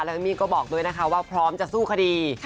และเอมมี่ก็บอกด้วยนะคะว่าพร้อมจะสู้คดี